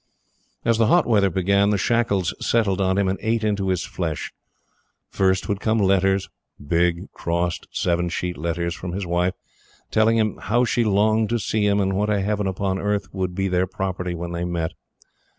As the hot weather began, the shackles settled on him and ate into his flesh. First would come letters big, crossed, seven sheet letters from his wife, telling him how she longed to see him, and what a Heaven upon earth would be their property when they met.